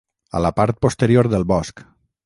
A la part posterior del bosc.